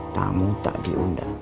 tamu tak diundang